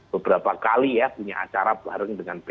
beberapa kali ya punya acara bareng dengan p tiga